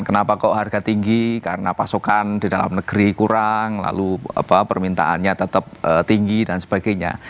kenapa kok harga tinggi karena pasokan di dalam negeri kurang lalu permintaannya tetap tinggi dan sebagainya